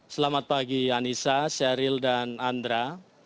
selamat pagi anissa sheryl dan andra